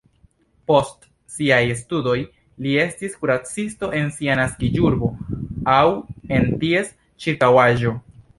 Post siaj studoj li estis kuracisto en sia naskiĝurbo aŭ en ties ĉirkaŭaĵo.